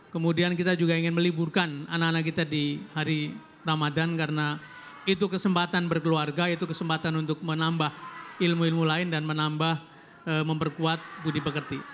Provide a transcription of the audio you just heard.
kemudian kita juga ingin meliburkan anak anak kita di hari ramadhan karena itu kesempatan berkeluarga itu kesempatan untuk menambah ilmu ilmu lain dan menambah memperkuat budi pekerti